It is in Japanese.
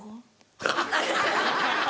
アハハハ！